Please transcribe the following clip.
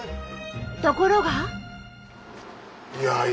ところが。